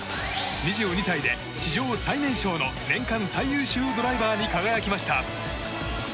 ２２歳で、史上最年少の年間最優秀ドライバーに輝きました。